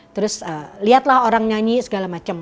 terus liat lah orang nyanyi segala macem